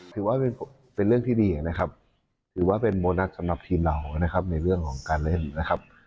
ถือว่าเป็นเรื่องที่ดีนะครับถือว่าเป็นโบนัสสำหรับทีมเรานะครับในเรื่องของการเล่นนะครับ